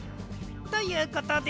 ということで。